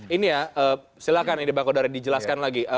ini ya silahkan ini bang kodari dijelaskan lagi